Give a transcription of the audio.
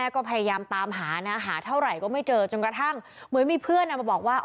ก็พยายามตามหาเหมือนมีเพื่อนมาบอกว่า